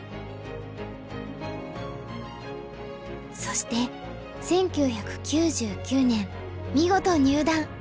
そして１９９９年見事入段！